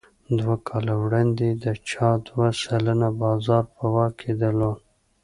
دوه کاله وړاندې یې د چای دوه سلنه بازار په واک کې درلود.